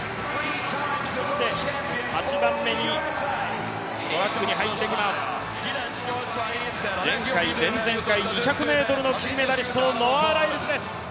そして８番目にトラックに入ってきます、前回、前々回、２００ｍの金メダリストノア・ライルズです。